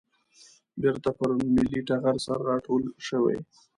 بېرته پر ملي ټغر سره راټولې شوې.